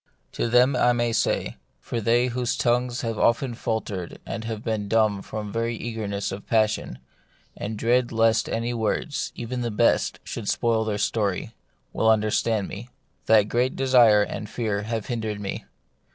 To them I may say — for they whose tongues have often faltered and been dumb from very eagerness of passion, and dread lest any words, even the best, should spoil their story, will understand me — that great desire and fear have hindered me.